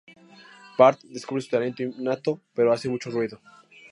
Bart descubre su talento innato, pero hace mucho ruido.